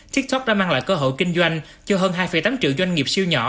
tiktok đã mang lại cơ hội kinh doanh cho hơn hai tám triệu doanh nghiệp siêu nhỏ